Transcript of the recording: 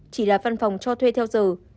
chỉ là văn phòng cho thuê theo giờ